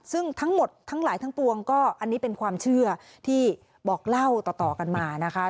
ซึ่งทั้งหมดทั้งหลายทั้งปวงก็อันนี้เป็นความเชื่อที่บอกเล่าต่อกันมานะคะ